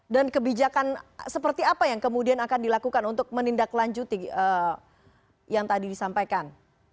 dan kebijakan seperti apa yang kemudian akan dilakukan untuk menindaklanjuti yang tadi disampaikan